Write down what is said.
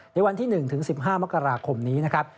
ในวันที่๑ถึง๑๕มกราคมนี้นะครับ